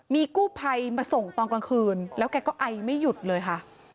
มีกู้ภัยมาส่งตอนกลางคืนแล้วแกก็ไอไม่หยุดเลยค่ะ